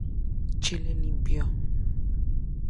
Chile Limpio.